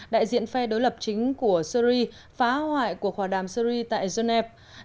đại diện phe đối lập chính của syri phá hoại cuộc hòa đàm syri tại geneva